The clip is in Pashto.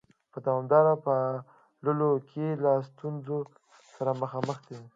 په دوامداره پاللو کې له ستونزو سره مخامخ دي؟